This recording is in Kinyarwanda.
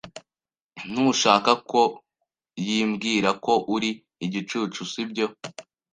Ntushaka ko yibwira ko uri igicucu, sibyo?